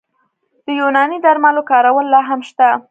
د یوناني درملو کارول لا هم شته.